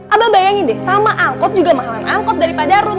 abah bayangin deh sama angkot juga mahalan angkot daripada room